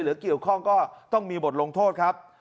หรือเกี่ยวข้องก็ต้องมีบทลงโทษครับ